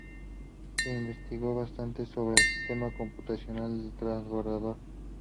Se investigó bastante sobre el sistema computacional del Transbordador.